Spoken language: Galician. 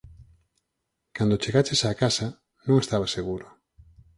Cando chegaches á casa, non estaba seguro.